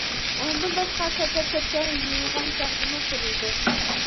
ئۇنىڭدىن باشقا چارچاپ كەتكەن، يۇيۇنغان چاغدىمۇ كۆرۈلىدۇ.